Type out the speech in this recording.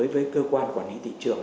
với cơ quan quản lý thị trường